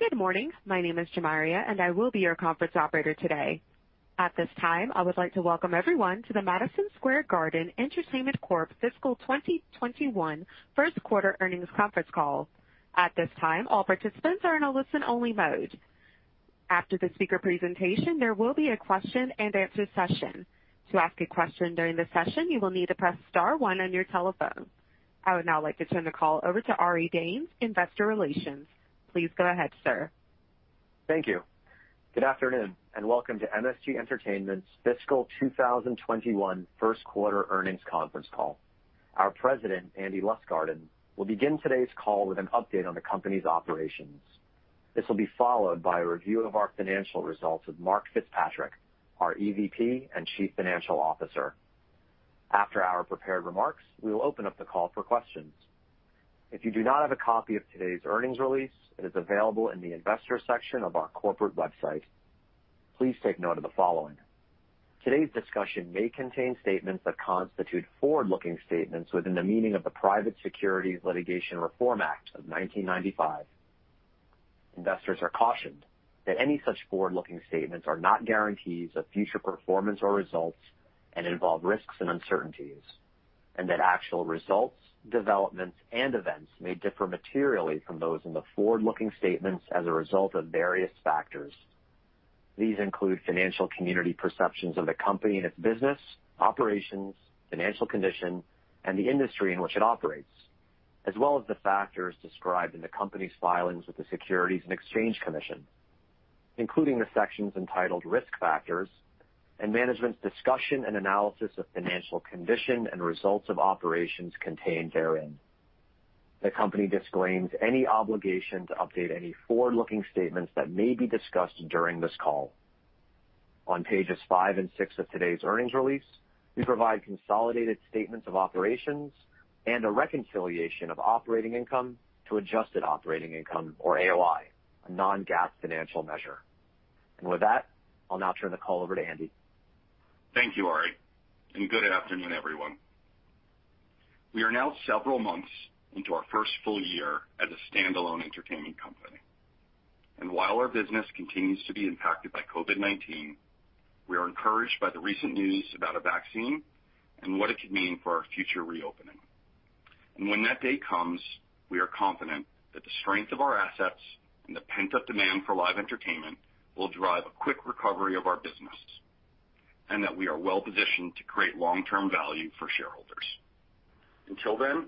Good morning. My name is Jamaria, and I will be your conference operator today. At this time, I would like to welcome everyone to the Madison Square Garden Entertainment Corp. fiscal 2021 first quarter earnings conference call. At this time, all participants are in a listen-only mode. After the speaker presentation, there will be a question-and-answer session. To ask a question during the session, you will need to press star one on your telephone. I would now like to turn the call over to Ari Danes, Investor Relations. Please go ahead, sir. Thank you. Good afternoon, and welcome to MSG Entertainment's fiscal 2021 first quarter earnings conference call. Our President, Andy Lustgarten, will begin today's call with an update on the company's operations. This will be followed by a review of our financial results with Mark FitzPatrick, our EVP and Chief Financial Officer. After our prepared remarks, we will open up the call for questions. If you do not have a copy of today's earnings release, it is available in the investor section of our corporate website. Please take note of the following. Today's discussion may contain statements that constitute forward-looking statements within the meaning of the Private Securities Litigation Reform Act of 1995. Investors are cautioned that any such forward-looking statements are not guarantees of future performance or results and involve risks and uncertainties, and that actual results, developments, and events may differ materially from those in the forward-looking statements as a result of various factors. These include financial community perceptions of the company and its business, operations, financial condition, and the industry in which it operates, as well as the factors described in the company's filings with the Securities and Exchange Commission, including the sections entitled Risk Factors and Management's Discussion and Analysis of Financial Condition and Results of Operations contained therein. The company disclaims any obligation to update any forward-looking statements that may be discussed during this call. On pages five and six of today's earnings release, we provide consolidated statements of operations and a reconciliation of operating income to adjusted operating income, or AOI, a non-GAAP financial measure. With that, I'll now turn the call over to Andy. Thank you, Ari, and good afternoon, everyone. We are now several months into our first full year as a standalone entertainment company. And while our business continues to be impacted by COVID-19, we are encouraged by the recent news about a vaccine and what it could mean for our future reopening. And when that day comes, we are confident that the strength of our assets and the pent-up demand for live entertainment will drive a quick recovery of our business and that we are well-positioned to create long-term value for shareholders. Until then,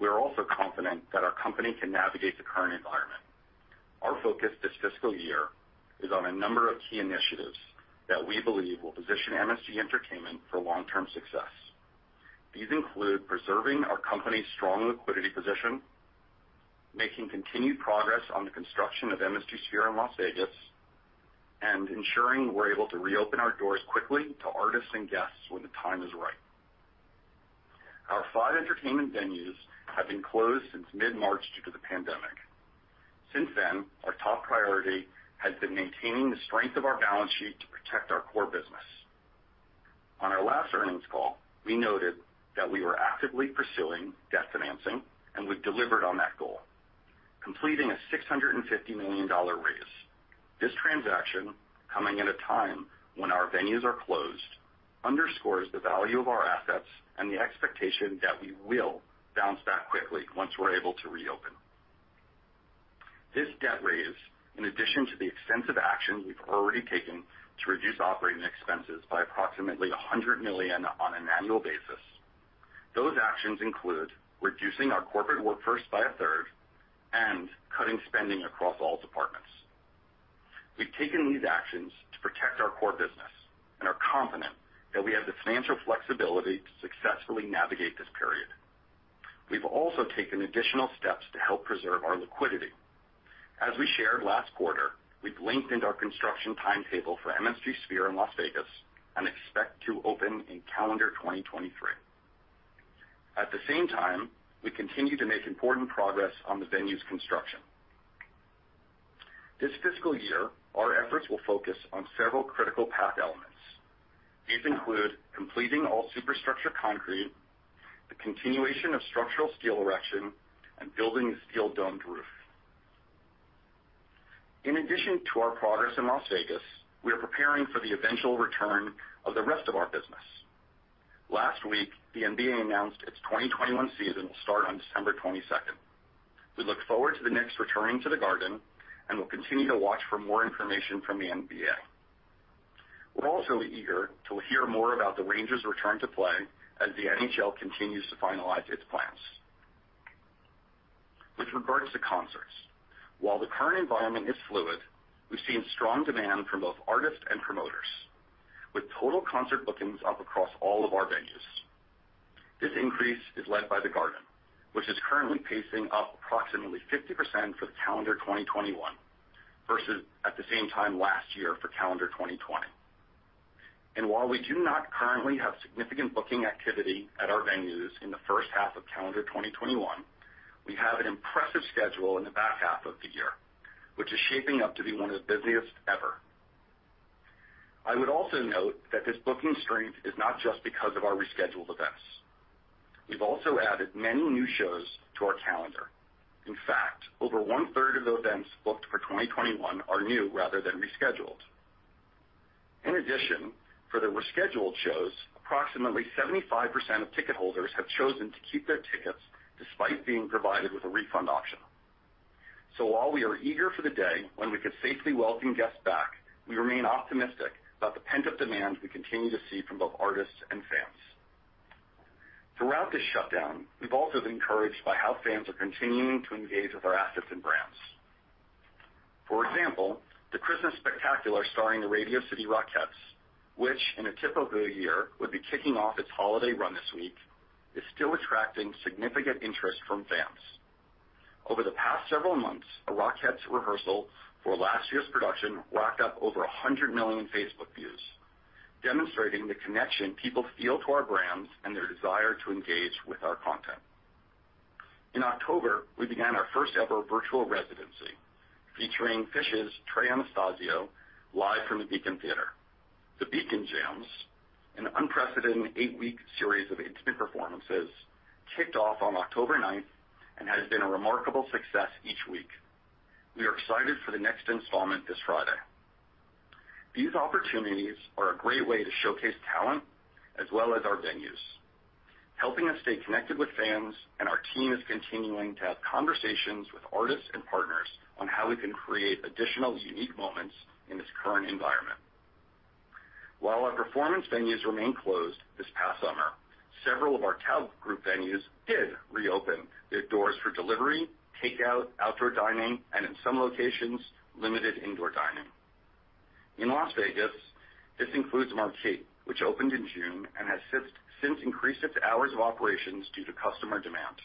we are also confident that our company can navigate the current environment. Our focus this fiscal year is on a number of key initiatives that we believe will position MSG Entertainment for long-term success. These include preserving our company's strong liquidity position, making continued progress on the construction of MSG Sphere in Las Vegas, and ensuring we're able to reopen our doors quickly to artists and guests when the time is right. Our five entertainment venues have been closed since mid-March due to the pandemic. Since then, our top priority has been maintaining the strength of our balance sheet to protect our core business. On our last earnings call, we noted that we were actively pursuing debt financing and we've delivered on that goal, completing a $650 million raise. This transaction, coming at a time when our venues are closed, underscores the value of our assets and the expectation that we will bounce back quickly once we're able to reopen. This debt raise, in addition to the extensive actions we've already taken to reduce operating expenses by approximately $100 million on an annual basis, those actions include reducing our corporate workforce by a third and cutting spending across all departments. We've taken these actions to protect our core business and are confident that we have the financial flexibility to successfully navigate this period. We've also taken additional steps to help preserve our liquidity. As we shared last quarter, we've lengthened our construction timetable for MSG Sphere in Las Vegas and expect to open in calendar 2023. At the same time, we continue to make important progress on the venue's construction. This fiscal year, our efforts will focus on several critical path elements. These include completing all superstructure concrete, the continuation of structural steel erection, and building the steel domed roof. In addition to our progress in Las Vegas, we are preparing for the eventual return of the rest of our business. Last week, the NBA announced its 2021 season will start on December 22nd. We look forward to the Knicks returning to the Garden and will continue to watch for more information from the NBA. We're also eager to hear more about the Rangers' return to play as the NHL continues to finalize its plans. With regards to concerts, while the current environment is fluid, we've seen strong demand from both artists and promoters, with total concert bookings up across all of our venues. This increase is led by the Garden, which is currently pacing up approximately 50% for calendar 2021 versus at the same time last year for calendar 2020. And while we do not currently have significant booking activity at our venues in the first half of calendar 2021, we have an impressive schedule in the back half of the year, which is shaping up to be one of the busiest ever. I would also note that this booking strength is not just because of our rescheduled events. We have also added many new shows to our calendar. In fact, over one-third of the events booked for 2021 are new rather than rescheduled. In addition, for the rescheduled shows, approximately 75% of ticket holders have chosen to keep their tickets despite being provided with a refund option. So while we are eager for the day when we could safely welcome guests back, we remain optimistic about the pent-up demand we continue to see from both artists and fans. Throughout this shutdown, we've also been encouraged by how fans are continuing to engage with our assets and brands. For example, the Christmas Spectacular Starring the Radio City Rockettes, which in a typical year would be kicking off its holiday run this week, is still attracting significant interest from fans. Over the past several months, a Rockettes rehearsal for last year's production racked up over 100 million Facebook views, demonstrating the connection people feel to our brands and their desire to engage with our content. In October, we began our first-ever virtual residency featuring Phish's Trey Anastasio live from the Beacon Theatre. The Beacon Jams, an unprecedented eight-week series of intimate performances, kicked off on October 9th and has been a remarkable success each week. We are excited for the next installment this Friday. These opportunities are a great way to showcase talent as well as our venues. Helping us stay connected with fans and our team is continuing to have conversations with artists and partners on how we can create additional unique moments in this current environment. While our performance venues remained closed this past summer, several of our TAO Group venues did reopen their doors for delivery, takeout, outdoor dining, and in some locations, limited indoor dining. In Las Vegas, this includes Marquee, which opened in June and has since increased its hours of operations due to customer demand.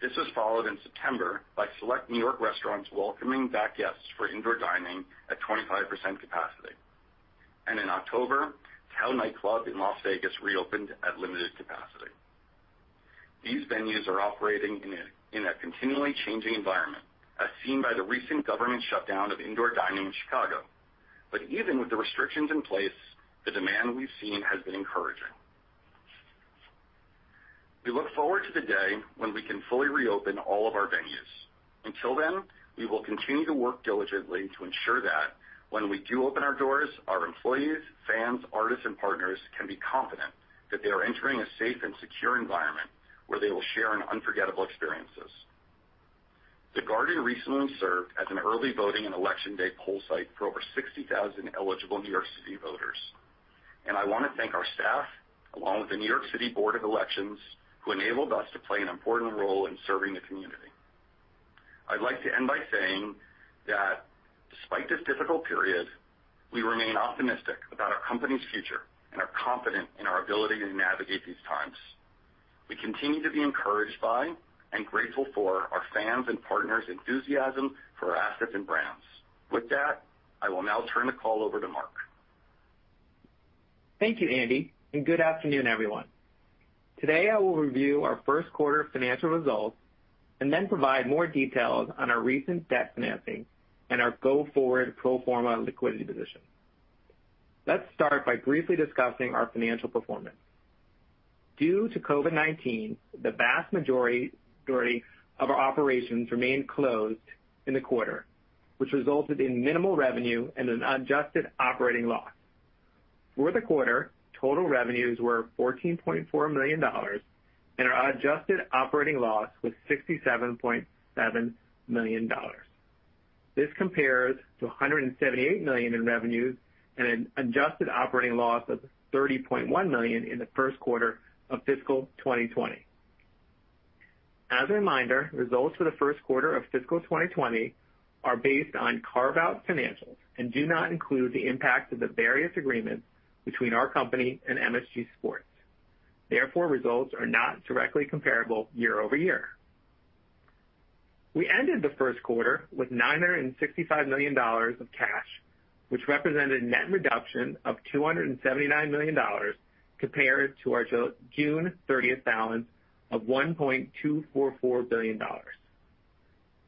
This was followed in September by select New York restaurants welcoming back guests for indoor dining at 25% capacity, and in October, TAO Nightclub in Las Vegas reopened at limited capacity. These venues are operating in a continually changing environment, as seen by the recent government shutdown of indoor dining in Chicago, but even with the restrictions in place, the demand we've seen has been encouraging. We look forward to the day when we can fully reopen all of our venues. Until then, we will continue to work diligently to ensure that when we do open our doors, our employees, fans, artists, and partners can be confident that they are entering a safe and secure environment where they will share unforgettable experiences. The Garden recently served as an early voting and election day poll site for over 60,000 eligible New York City voters. And I want to thank our staff, along with the New York City Board of Elections, who enabled us to play an important role in serving the community. I'd like to end by saying that despite this difficult period, we remain optimistic about our company's future and are confident in our ability to navigate these times. We continue to be encouraged by and grateful for our fans and partners' enthusiasm for our assets and brands. With that, I will now turn the call over to Mark. Thank you, Andy, and good afternoon, everyone. Today, I will review our first quarter financial results and then provide more details on our recent debt financing and our go-forward pro forma liquidity position. Let's start by briefly discussing our financial performance. Due to COVID-19, the vast majority of our operations remained closed in the quarter, which resulted in minimal revenue and an adjusted operating loss. For the quarter, total revenues were $14.4 million and our adjusted operating loss was $67.7 million. This compares to $178 million in revenues and an adjusted operating loss of $30.1 million in the first quarter of fiscal 2020. As a reminder, results for the first quarter of fiscal 2020 are based on carve-out financials and do not include the impact of the various agreements between our company and MSG Sports. Therefore, results are not directly comparable year-over-year. We ended the first quarter with $965 million of cash, which represented a net reduction of $279 million compared to our June 30th balance of $1.244 billion.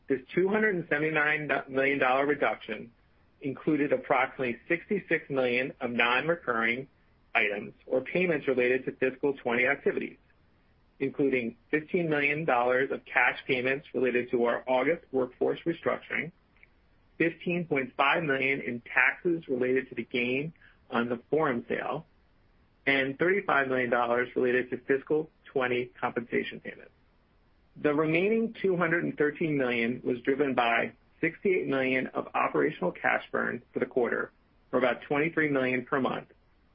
This $279 million reduction included approximately $66 million of non-recurring items or payments related to fiscal 2020 activities, including $15 million of cash payments related to our August workforce restructuring, $15.5 million in taxes related to the gain on the forum sale, and $35 million related to fiscal 2020 compensation payments. The remaining $213 million was driven by $68 million of operational cash burn for the quarter or about $23 million per month,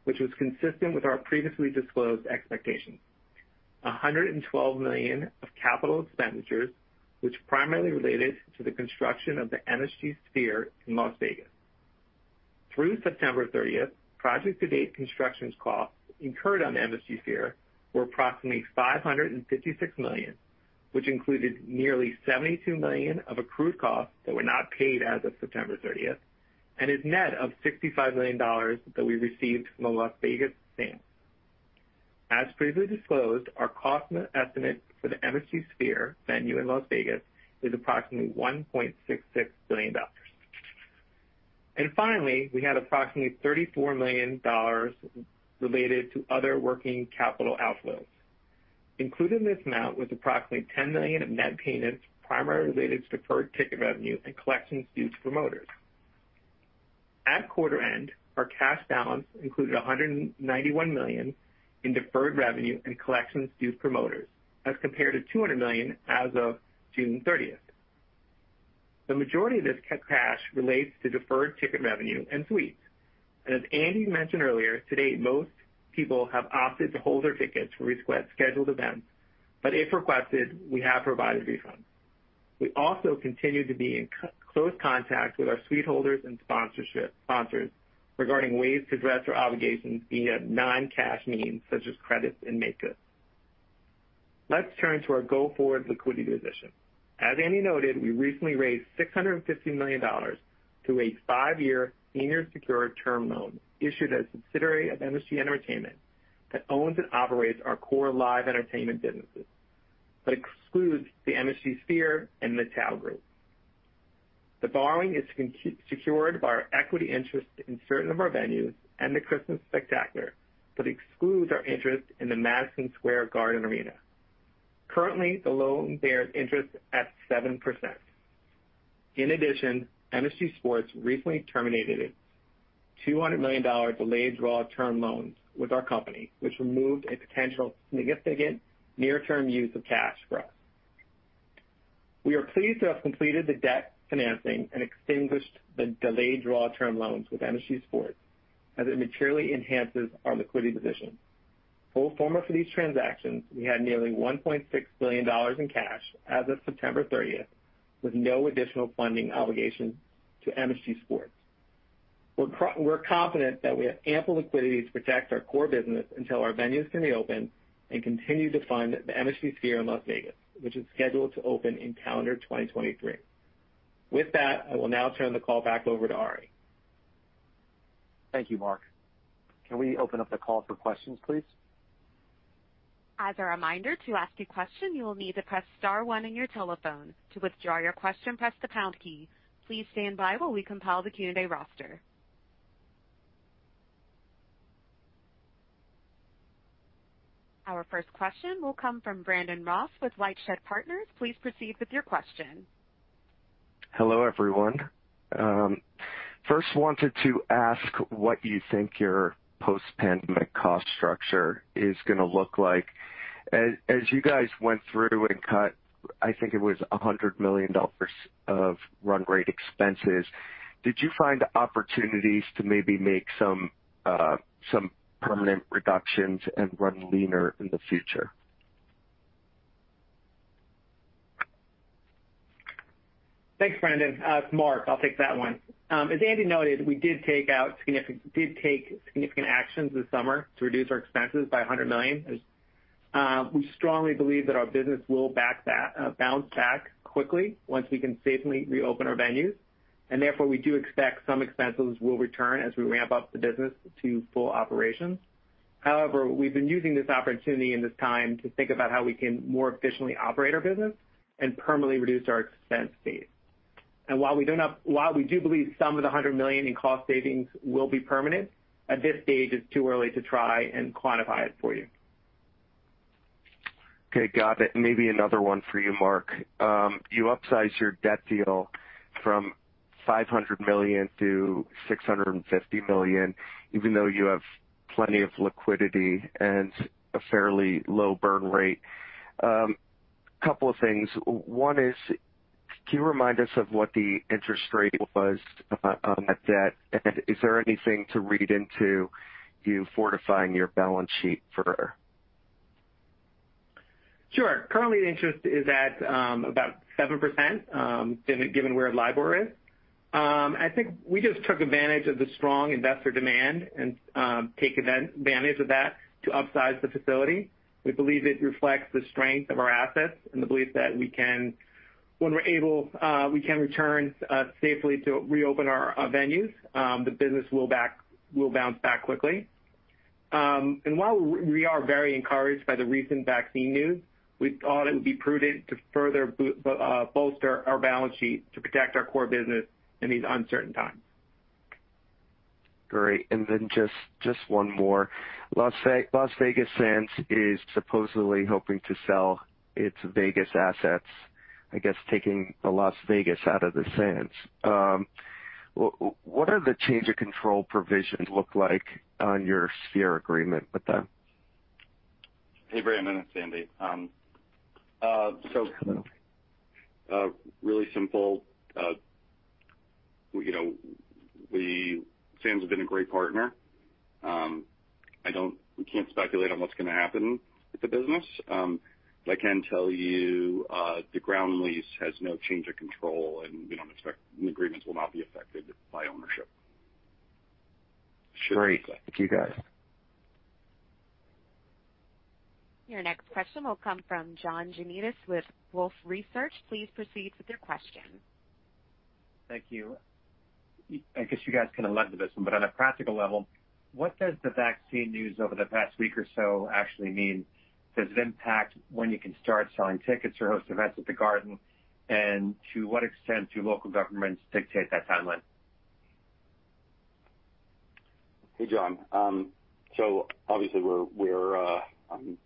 which was consistent with our previously disclosed expectations, $112 million of capital expenditures, which primarily related to the construction of the MSG Sphere in Las Vegas. Through September 30th, project-to-date construction costs incurred on the MSG Sphere were approximately $556 million, which included nearly $72 million of accrued costs that were not paid as of September 30th, and is net of $65 million that we received from the Las Vegas Sands. As previously disclosed, our cost estimate for the MSG Sphere venue in Las Vegas is approximately $1.66 billion. And finally, we had approximately $34 million related to other working capital outflows. Included in this amount was approximately $10 million of net payments primarily related to deferred ticket revenue and collections due to promoters. At quarter end, our cash balance included $191 million in deferred revenue and collections due to promoters, as compared to $200 million as of June 30th. The majority of this cash relates to deferred ticket revenue and suites. As Andy mentioned earlier, today, most people have opted to hold their tickets for rescheduled events, but if requested, we have provided refunds. We also continue to be in close contact with our suite holders and sponsors regarding ways to address our obligations via non-cash means such as credits and makeup. Let's turn to our go-forward liquidity position. As Andy noted, we recently raised $650 million through a five-year senior secured term loan issued by a subsidiary of MSG Entertainment that owns and operates our core live entertainment businesses, but excludes the MSG Sphere and the TAO Group. The borrowing is secured by our equity interest in a certain number of venues and the Christmas Spectacular, but excludes our interest in the Madison Square Garden Arena. Currently, the loan bears interest at 7%. In addition, MSG Sports recently terminated its $200 million delayed draw term loans with our company, which removed a potential significant near-term use of cash for us. We are pleased to have completed the debt financing and extinguished the delayed draw term loans with MSG Sports as it materially enhances our liquidity position. Pro forma for these transactions, we had nearly $1.6 billion in cash as of September 30th, with no additional funding obligations to MSG Sports. We're confident that we have ample liquidity to protect our core business until our venues can reopen and continue to fund the MSG Sphere in Las Vegas, which is scheduled to open in calendar 2023. With that, I will now turn the call back over to Ari. Thank you, Mark. Can we open up the call for questions, please? As a reminder, to ask a question, you will need to press star one on your telephone. To withdraw your question, press the pound key. Please stand by while we compile the Q&A roster. Our first question will come from Brandon Ross with LightShed Partners. Please proceed with your question. Hello, everyone. First, wanted to ask what you think your post-pandemic cost structure is going to look like. As you guys went through and cut, I think it was $100 million of run rate expenses, did you find opportunities to maybe make some permanent reductions and run leaner in the future? Thanks, Brandon. Mark, I'll take that one. As Andy noted, we did take out significant actions this summer to reduce our expenses by $100 million. We strongly believe that our business will bounce back quickly once we can safely reopen our venues, and therefore, we do expect some expenses will return as we ramp up the business to full operations. However, we've been using this opportunity and this time to think about how we can more efficiently operate our business and permanently reduce our expense base, and while we do believe some of the $100 million in cost savings will be permanent, at this stage, it's too early to try and quantify it for you. Okay, got it. Maybe another one for you, Mark. You upsized your debt deal from $500 million-$650 million, even though you have plenty of liquidity and a fairly low burn rate. A couple of things. One is, can you remind us of what the interest rate was on that debt? And is there anything to read into you fortifying your balance sheet further? Sure. Currently, the interest is at about 7%, given where LIBOR is. I think we just took advantage of the strong investor demand and took advantage of that to upsize the facility. We believe it reflects the strength of our assets and the belief that when we're able, we can return safely to reopen our venues, the business will bounce back quickly, and while we are very encouraged by the recent vaccine news, we thought it would be prudent to further bolster our balance sheet to protect our core business in these uncertain times. Great. And then just one more. Las Vegas Sands is supposedly hoping to sell its Vegas assets, I guess taking the Las Vegas out of the Sands. What are the change of control provisions look like on your Sphere agreement with them? Hey, Brandon. It's Andy. So really simple. Sands has been a great partner. We can't speculate on what's going to happen with the business. But I can tell you the ground lease has no change of control and the agreements will not be affected by ownership. Great. Thank you, guys. Your next question will come from John Janedis with Wolfe Research. Please proceed with your question. Thank you. I guess you guys can elaborate on this, but on a practical level, what does the vaccine news over the past week or so actually mean? Does it impact when you can start selling tickets or host events at the Garden, and to what extent do local governments dictate that timeline? Hey, John. So obviously, we're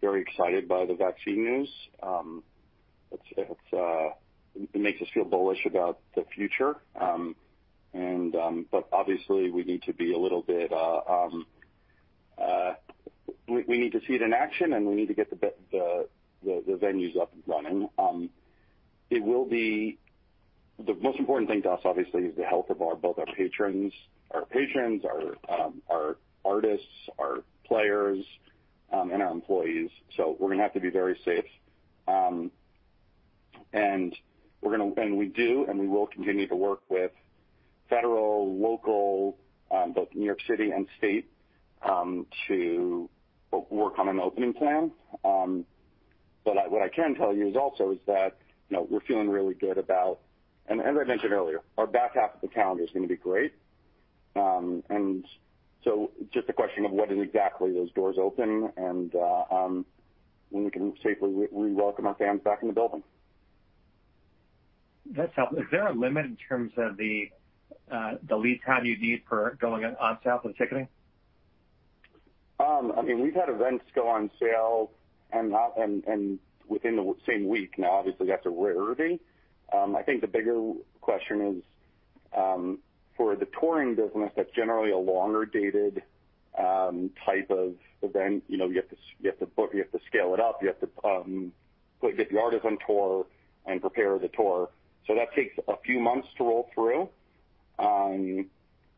very excited by the vaccine news. It makes us feel bullish about the future. But obviously, we need to be a little bit. We need to see it in action and we need to get the venues up and running. The most important thing to us, obviously, is the health of both our patrons, our artists, our players, and our employees. So we're going to have to be very safe. And we will continue to work with federal, local, both New York City and state, to work on an opening plan. But what I can tell you is that we're feeling really good about, and as I mentioned earlier, our back half of the calendar is going to be great. It's just a question of what exactly those doors open and when we can safely rewelcome our fans back in the building. Is there a limit in terms of the lead time you need for going on sale for the ticketing? I mean, we've had events go on sale and within the same week. Now, obviously, that's a rarity. I think the bigger question is for the touring business. That's generally a longer-dated type of event. You have to scale it up. You have to get the artists on tour and prepare the tour. So that takes a few months to roll through,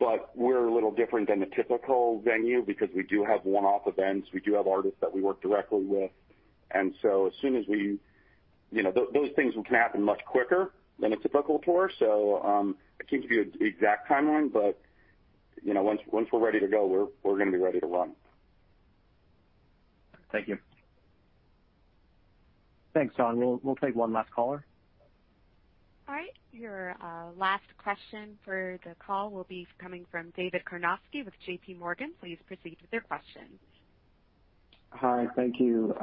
but we're a little different than a typical venue because we do have one-off events. We do have artists that we work directly with, and so as soon as those things can happen much quicker than a typical tour, so I can't give you an exact timeline, but once we're ready to go, we're going to be ready to run. Thank you. Thanks, John. We'll take one last caller. All right. Your last question for the call will be coming from David Karnovsky with JPMorgan. Please proceed with your question. Hi, thank you.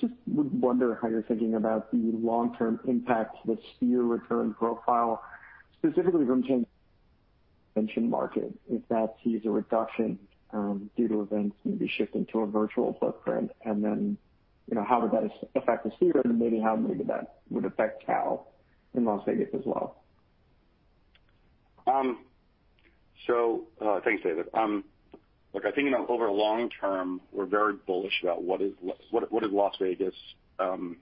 Just would wonder how you're thinking about the long-term impact of the Sphere return profile, specifically from the convention market, if that sees a reduction due to events maybe shifting to a virtual footprint? And then how would that affect the Sphere and maybe how maybe that would affect Tao in Las Vegas as well? So thanks, David. Look, I think over the long term, we're very bullish about what does Las Vegas mean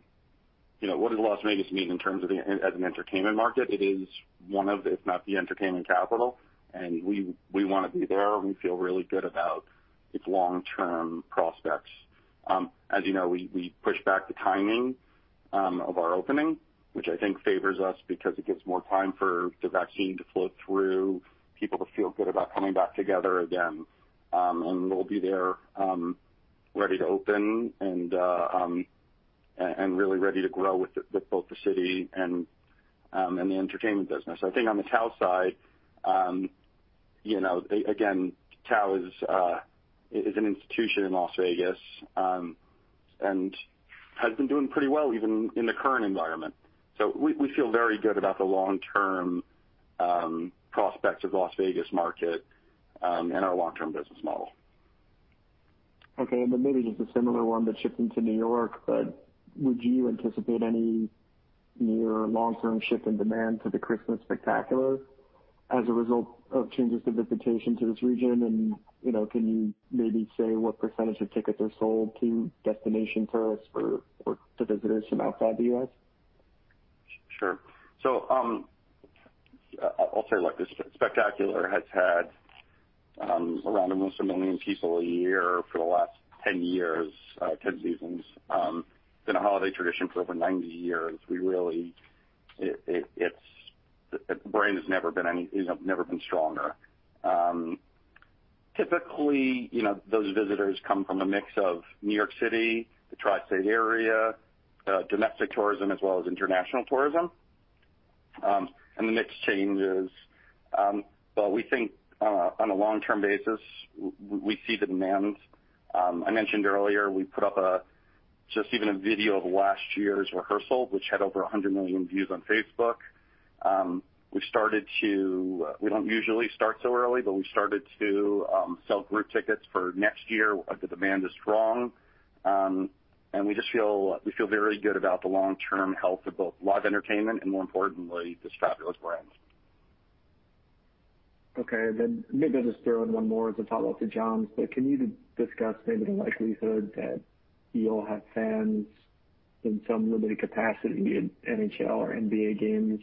in terms of as an entertainment market. It is one of, if not the entertainment capital, and we want to be there. We feel really good about its long-term prospects. As you know, we pushed back the timing of our opening, which I think favors us because it gives more time for the vaccine to float through, people to feel good about coming back together again. And we'll be there ready to open and really ready to grow with both the city and the entertainment business. I think on the Tao side, again, Tao is an institution in Las Vegas and has been doing pretty well even in the current environment. So we feel very good about the long-term prospects of the Las Vegas market and our long-term business model. Okay. And then maybe just a similar one but shifting to New York, but would you anticipate any near long-term shift in demand for the Christmas Spectacular as a result of changes to visitation to this region? And can you maybe say what percentage of tickets are sold to destination tourists or to visitors from outside the U.S.? Sure, so I'll say, look, this spectacular has had around almost a million people a year for the last 10 years, 10 seasons. It's been a holiday tradition for over 90 years. The brand has never been stronger. Typically, those visitors come from a mix of New York City, the Tri-State area, domestic tourism, as well as international tourism, and the mix changes, but we think on a long-term basis, we see the demand. I mentioned earlier, we put up just even a video of last year's rehearsal, which had over 100 million views on Facebook. We don't usually start so early, but we started to sell group tickets for next year if the demand is strong, and we just feel very good about the long-term health of both live entertainment and, more importantly, this fabulous brand. Okay. And then maybe I'll just throw in one more as a follow-up to John's. But can you discuss maybe the likelihood that you'll have fans in some limited capacity at NHL or NBA games,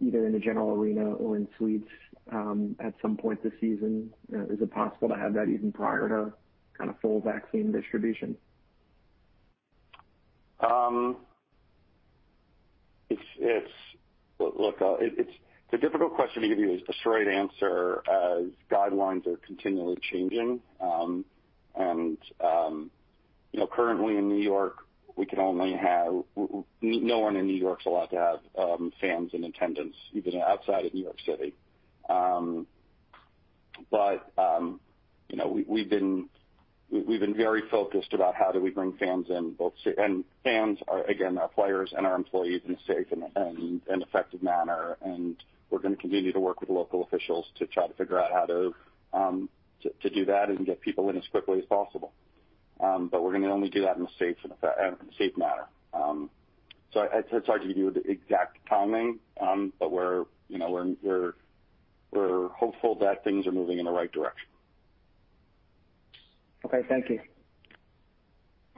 either in the general arena or in suites at some point this season? Is it possible to have that even prior to kind of full vaccine distribution? Look, it's a difficult question to give you a straight answer as guidelines are continually changing, and currently in New York, we can only have no one in New York's allowed to have fans in attendance, even outside of New York City, but we've been very focused about how do we bring fans in, and fans, again, our players and our employees in a safe and effective manner, and we're going to continue to work with local officials to try to figure out how to do that and get people in as quickly as possible, but we're going to only do that in a safe manner, so it's hard to give you the exact timing, but we're hopeful that things are moving in the right direction. Okay. Thank you.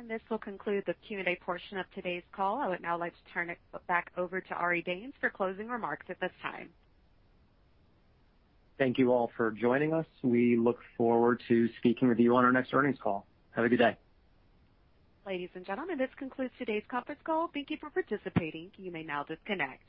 This will conclude the Q&A portion of today's call. I would now like to turn it back over to Ari Danes for closing remarks at this time. Thank you all for joining us. We look forward to speaking with you on our next earnings call. Have a good day. Ladies and gentlemen, this concludes today's conference call. Thank you for participating. You may now disconnect.